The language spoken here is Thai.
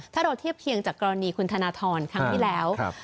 ถ้าเราเทียบเคียงจากกรณีคุณธนทรครั้งที่แล้ว